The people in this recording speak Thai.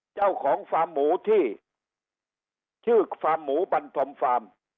เจ้าของฟาร์มหมูที่ชื่อฟาร์มหมูบันทมฟาร์ม